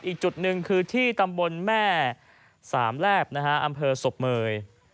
อีกจุดหนึ่งคือที่ตำบลแม่สามแลบนะฮะอำเภอศพเมย